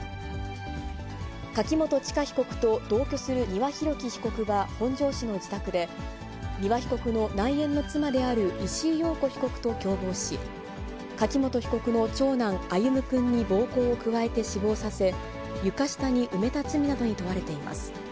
柿本知香被告と同居する丹羽洋樹被告は本庄市の自宅で、丹羽被告の内縁の妻である石井陽子被告と共謀し、柿本被告の長男、歩夢くんに暴行を加えて死亡させ、床下に埋めた罪などに問われています。